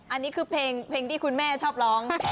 อันนี้คือเพลงที่คุณแม่ชอบร้อง